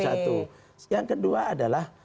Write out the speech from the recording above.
satu yang kedua adalah